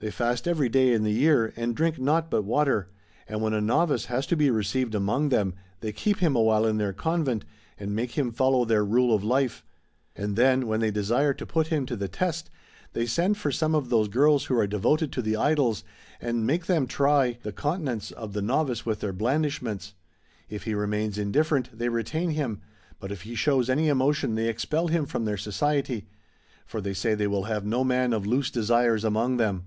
They fast every day in the year, and drink nought but water. And when a novice has to be received among them they keep him awhile in their convent, and make him follow their rule of life. And then, when they desire to put him to the test, they send for some of those girls who are devoted to the Idols, and make them try 2 X 302 MARCO POLO. BOOK III. the continence of the novice with their blandishments. If he remains indifferent they retain him, but if he shows any emotion tlicy expel him from their society. For they say they will have no man of loose desires among them.